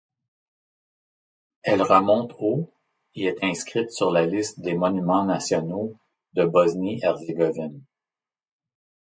Elle remonte au et est inscrite sur la liste des monuments nationaux de Bosnie-Herzégovine.